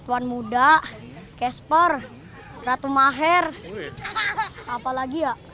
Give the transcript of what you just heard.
tuan muda casper ratu maher apa lagi ya